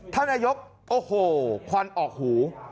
ท่านนายกโอ้โหควันออกหู